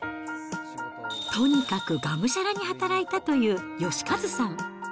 とにかくがむしゃらに働いたという芳和さん。